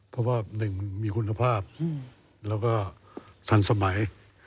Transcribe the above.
เพราะว่ามีคุณภาพและดังสมัย